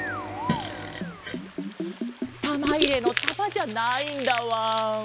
たまいれのたまじゃないんだわん。